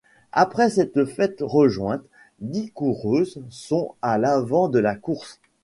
Après s'être faites rejointes, dix coureuses sont à l'avant de la course.